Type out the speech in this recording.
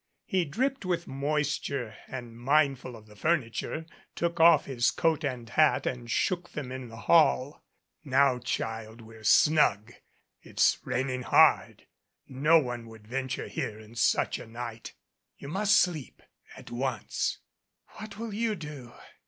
He dripped with moisture, and, mindful of the fur niture, took off his coat and hat and shook them in the hall. "Now, child, we're snug. It's raining hard. No one would venture here in such a night. You must sleep at once." "What will you do?"